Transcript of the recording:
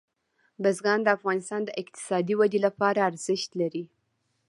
بزګان د افغانستان د اقتصادي ودې لپاره ارزښت لري.